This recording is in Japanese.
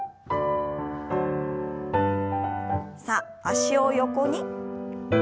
さあ脚を横に。